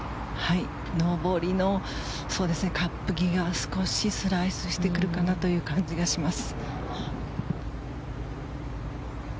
上りのカップ際が少しスライスしてくるかなという感じがします。